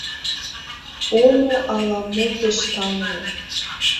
Омо ала-мо пеш тамле...